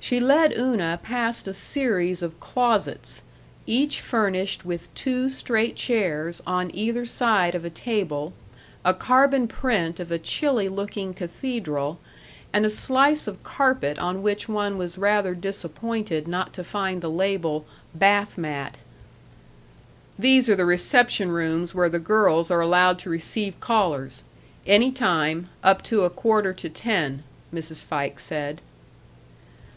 She led Una past a series of closets, each furnished with two straight chairs on either side of a table, a carbon print of a chilly looking cathedral, and a slice of carpet on which one was rather disappointed not to find the label, "Bath Mat." "These are the reception rooms where the girls are allowed to receive callers. Any time up to a quarter to ten," Mrs. Fike said.